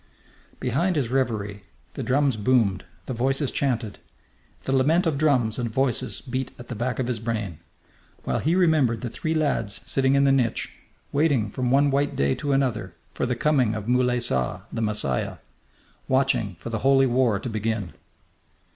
Behind his reverie the drums boomed, the voices chanted. The lament of drums and voices beat at the back of his brain while he remembered the three lads sitting in the niche, waiting from one white day to another for the coming of Moulay Saa, the Messiah; watching for the Holy War to begin.